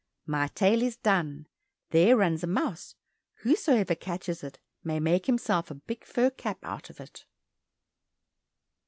My tale is done, there runs a mouse, whosoever catches it, may make himself a big fur cap out of it.